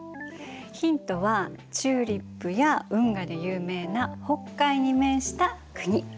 ヒントはチューリップや運河で有名な北海に面した国。